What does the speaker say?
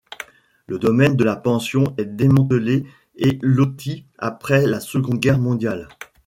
Le domaine de la pension est démantelé et loti après la Seconde Guerre mondiale.